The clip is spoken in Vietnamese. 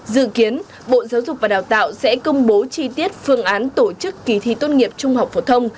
dự kiến bộ giáo dục và đào tạo sẽ công bố chi tiết phương án tổ chức kỳ thi tốt nghiệp trung học phổ thông